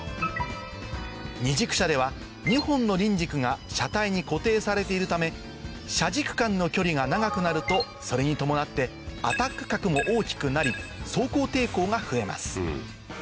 二軸車では２本の輪軸が車体に固定されているため車軸間の距離が長くなるとそれに伴ってアタック角も大きくなり走行抵抗が増えます